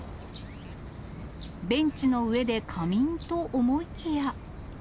ベンチの上で仮眠と思いきや。